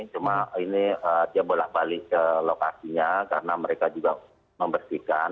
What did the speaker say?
cuma ini dia bolak balik ke lokasinya karena mereka juga membersihkan